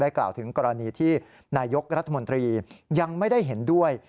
กล่าวถึงกรณีที่นายกรัฐมนตรียังไม่ได้เห็นด้วย